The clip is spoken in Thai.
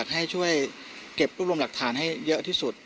มันไม่ใช่แหละมันไม่ใช่แหละ